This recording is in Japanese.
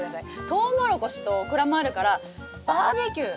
トウモロコシとオクラもあるからバーベキュー！